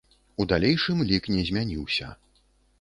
У далейшым лік не змяніўся.